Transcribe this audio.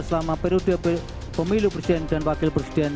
selama periode pemilu presiden dan wakil presiden